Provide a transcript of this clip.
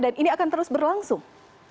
dan ini akan terus berlangsung